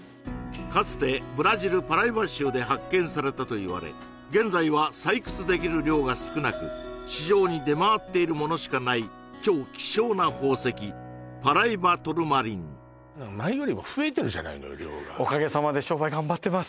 かつてブラジル・パライバ州で発見されたといわれ現在は採掘できる量が少なく市場に出回っているものしかない超希少な宝石パライバトルマリン前よりも増えてるじゃないの量がおかげさまで商売頑張ってます